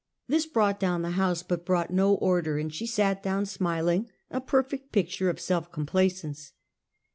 This brought down the house, but brought no order, and. she sat down, smiling, a jDerfect picture of self complaisance.